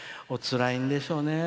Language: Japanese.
おつらいんでしょうね。